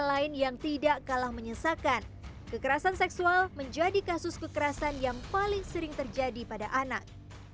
lain yang tidak kalah menyesakan kekerasan seksual menjadi kasus kekerasan yang paling sering terjadi pada anak